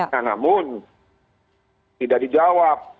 nah namun tidak dijawab